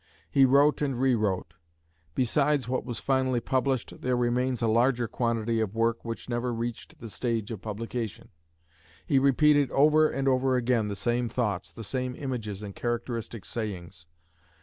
He wrote and rewrote. Besides what was finally published, there remains a larger quantity of work which never reached the stage of publication. He repeated over and over again the same thoughts, the same images and characteristic sayings.